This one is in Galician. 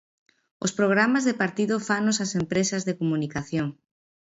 Os programas de partido fanos as empresas de comunicación.